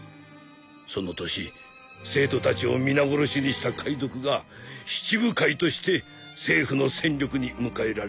その年生徒たちを皆殺しにした海賊が七武海として政府の戦力に迎えられたのじゃ。